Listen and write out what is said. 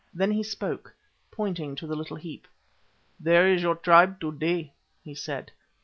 Then he spoke, pointing to the little heap, "There is your tribe to day," he said.